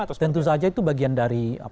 terus tentu saja itu bagian dari